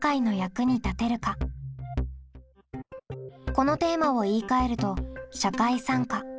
このテーマを言いかえると「社会参加」。